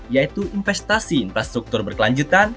yaitu investasi infrastruktur berkelanjutan